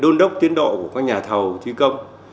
đôn đốc tiến độ của các nhà thầu thi công